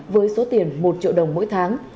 với số tiền một triệu đồng mỗi tháng